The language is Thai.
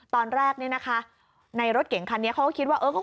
ตอนแรกในรถเก๋งคันนี้เขาก็คิดว่าคงเป็นคนเมาทะเลาะกัน